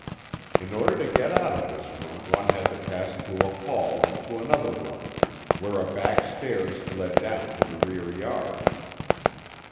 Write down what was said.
In order to get out of this room one had to pass through a hall into another room, where a back stairs led down to the rear yard.